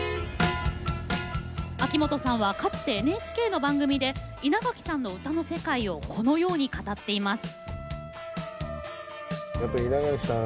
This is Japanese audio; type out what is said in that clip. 秋元さんはかつてＮＨＫの番組で稲垣さんの歌の世界をこのように語っています。